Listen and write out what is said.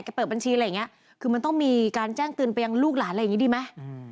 เปิดบัญชีอะไรอย่างเงี้ยคือมันต้องมีการแจ้งเตือนไปยังลูกหลานอะไรอย่างนี้ดีไหม